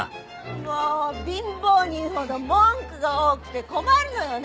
もう貧乏人ほど文句が多くて困るのよね。